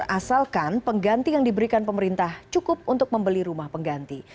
asalkan pengganti yang diberikan pemerintah cukup untuk membeli rumah pengganti